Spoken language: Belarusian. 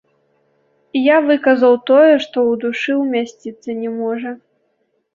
Я выказаў тое, што ў душы ўмясціцца не можа.